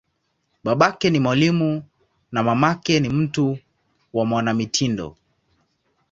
Babake ni mwalimu, na mamake ni mtu wa mwanamitindo.